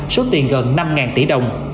số tiền gần năm tỷ đồng